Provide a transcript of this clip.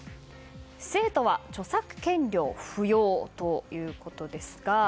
生徒は著作権料不要ということですが。